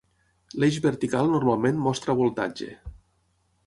L'eix vertical normalment mostra voltatge.